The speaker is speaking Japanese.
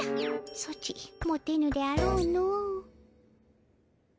ソチモテぬであろうの。